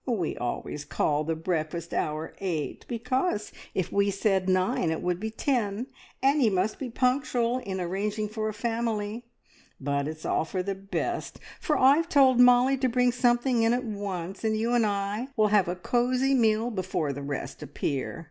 "We always call the breakfast hour eight; because, if we said nine, it would be ten, and ye must be punctual in arranging for a family. But it's all for the best, for I've told Molly to bring something in at once, and you and I will have a cosy meal before the rest appear.